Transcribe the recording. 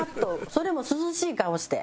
それも涼しい顔して。